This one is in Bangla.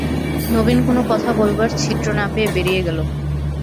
নবীন কোনো কথা বলবার ছিদ্র না পেয়ে বেরিয়ে গেল।